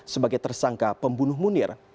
sebagai tersangka pembunuh munir